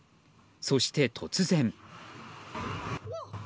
そして、突然。